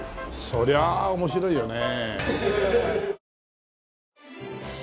そりゃあ面白いよね。